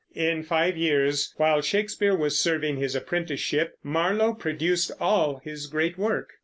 In five years, while Shakespeare was serving his apprenticeship, Marlowe produced all his great work.